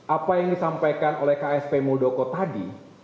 apa yang disampaikan oleh ksp muldoko tadi